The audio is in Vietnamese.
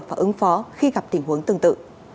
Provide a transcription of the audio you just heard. và ứng phó khi gặp tình huống tương tự